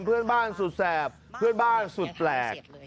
เพื่อนบ้านสุดแสบเพื่อนบ้านสุดแปลก